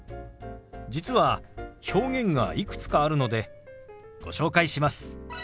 実は表現がいくつかあるのでご紹介します。